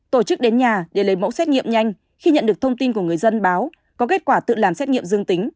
tổ chức đến nhà để lấy mẫu xét nghiệm nhanh khi nhận được thông tin của người dân báo có kết quả tự làm xét nghiệm dương tính